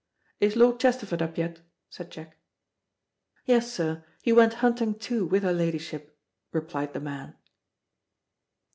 "Is Lord Chesterford up yet?" said Jack. "Yes, sir; he went hunting too with her ladyship," replied the man.